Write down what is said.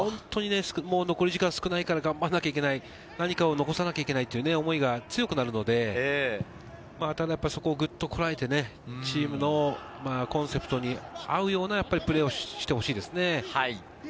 残り時間少ないから頑張らなきゃいけない、何かを残さなきゃいけないという思いが強くなるので、ただそこをグッとこらえて、チームのコンセプトに合うようなプレーをしてほしいですね。